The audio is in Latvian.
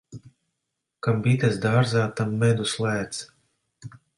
Kam bites dārzā, tam medus lēts.